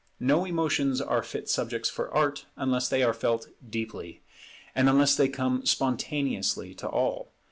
No emotions are fit subjects for Art unless they are felt deeply, and unless they come spontaneously to all.